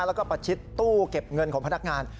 แล้วก็ประชิดตู้เก็บเงินของพนักงาน